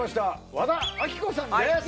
和田アキ子さんです